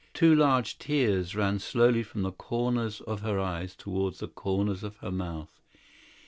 Two great tears ran slowly from the corners of her eyes toward the corners of her mouth.